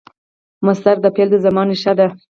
مصدر د فعل د زمان ریښه ده.